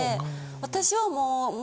私はもう。